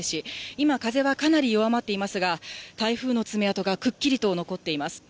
今、風はかなり弱まっていますが、台風の爪痕がくっきりと残っています。